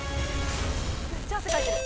めっちゃ汗かいてる。